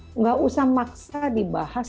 tidak usah maksa dibahas